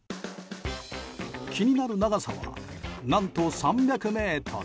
気になる長さは何と、３００ｍ。